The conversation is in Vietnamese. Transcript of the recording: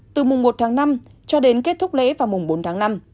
từ mùng một tháng năm cho đến kết thúc lễ vào mùng bốn tháng năm